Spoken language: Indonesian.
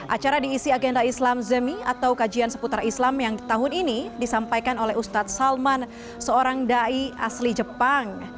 acara diisi agenda islam zemi atau kajian seputar islam yang tahun ini disampaikan oleh ustadz salman seorang ⁇ dai ⁇ asli jepang